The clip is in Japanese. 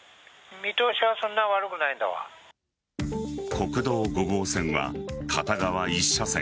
国道５号線は片側１車線。